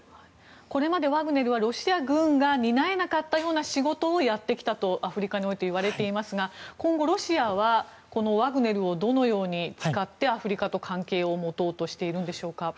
これまでワグネルはロシア軍が担えなかったような仕事をやってきたとアフリカにおいて言われていますが今後、ロシアはこのワグネルをどのように使ってアフリカと関係を持とうとしているんでしょうか。